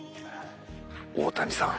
大谷さん